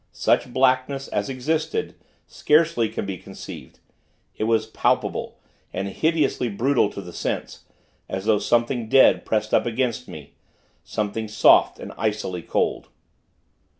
Such blackness, as existed, scarcely can be conceived. It was palpable, and hideously brutal to the sense; as though something dead, pressed up against me something soft, and icily cold.